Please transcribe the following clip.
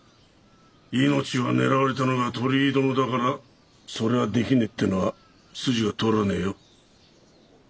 命を狙われたのが鳥居殿だからそれはできねえってのは筋が通らねえよ。